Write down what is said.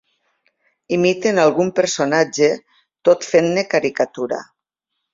Imiten algun personatge tot fent-ne caricatura.